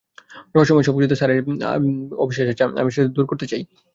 রহস্যময় সবকিছুতে স্যারের অবিশ্বাস আছে, আমি সেটা দূর করতে চাই।